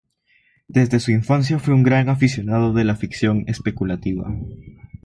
Desde su infancia fue un gran aficionado de la ficción especulativa.